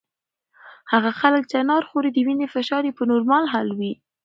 هغه خلک چې انار خوري د وینې فشار یې په نورمال حال وي.